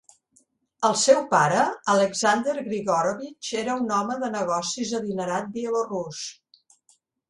El seu pare, Aleksandr Grigorovich, era un home de negocis adinerat bielorús.